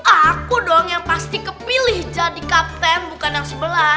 aku dong yang pasti kepilih jadi kapten bukan yang sebelah